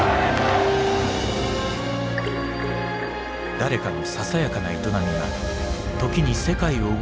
誰かのささやかな営みがときに世界を動かすことがある。